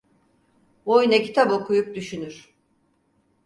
Boyuna kitap okuyup düşünür.